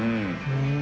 うん。